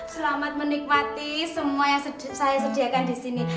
selamat menikmati semua yang saya sediakan disini